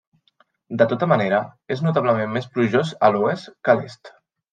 De tota manera, és notablement més plujós a l'oest que a l'est.